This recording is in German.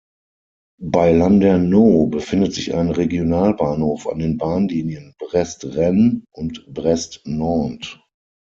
Bei Landerneau befindet sich ein Regionalbahnhof an den Bahnlinien Brest-Rennes und Brest-Nantes.